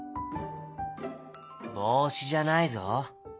「ぼうしじゃないぞ」。